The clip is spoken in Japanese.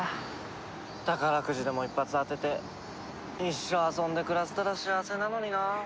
宝くじでも一発当てて一生遊んで暮らせたら幸せなのにな。